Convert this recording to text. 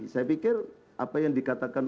saya pikir apa yang dikatakan